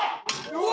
うわ！